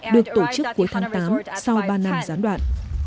được tổ chức cuối tháng tám sau ba năm gián đoạn